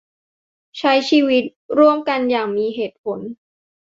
ใช้ชีวิตร่วมกันอย่างมีเหตุผล